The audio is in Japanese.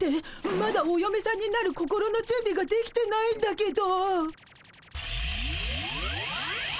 まだおよめさんになる心のじゅんびができてないんだけど。